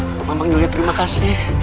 untuk memang juga terima kasih